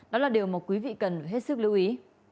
đó là điều mà quý vị cần hết sức lưu ý